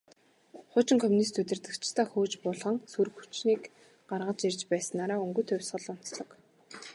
Хуучин коммунист удирдагчдаа хөөж буулган, сөрөг хүчнийг гаргаж ирж байснаараа «Өнгөт хувьсгал» онцлог.